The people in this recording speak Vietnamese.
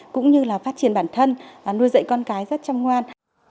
cũng như là phát triển bản thân và nuôi dạy con cái rất chăm ngoan